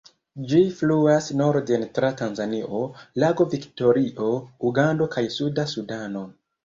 Ĝi fluas norden tra Tanzanio, Lago Viktorio, Ugando kaj Suda Sudano.